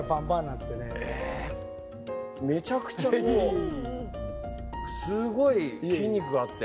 めちゃくちゃこうすごい筋肉があって。